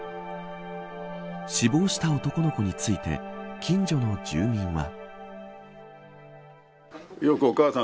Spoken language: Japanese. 死亡した男の子について近所の住民は。